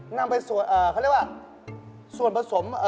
นำไปส่วนเขาเรียกว่าส่วนผสม